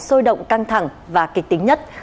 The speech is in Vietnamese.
sôi động căng thẳng và kịch tính nhất